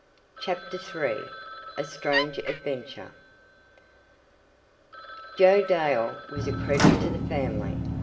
CHAPTER III A STRANGE ADVENTURE Joe Dale was a credit to the family.